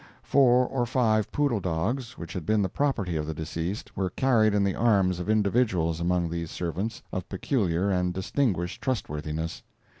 Four or five poodle dogs, which had been the property of the deceased, were carried in the arms of individuals among these servants of peculiar and distinguished trustworthiness.